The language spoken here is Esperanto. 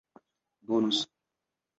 bonus